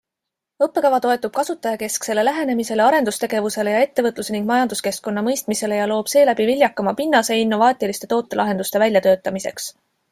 Õppekava toetub kasutajakesksele lähenemisele, arendustegevusele ja ettevõtluse ning majanduskeskkonna mõistmisele ja loob seeläbi viljakama pinnase innovaatiliste tootelahenduste väljatöötamiseks.